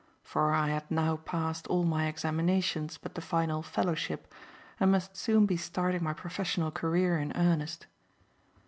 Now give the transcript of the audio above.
For I had now passed all my examinations but the final "Fellowship," and must soon be starting my professional career in earnest.